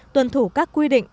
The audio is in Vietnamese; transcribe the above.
tuần thủ các quy định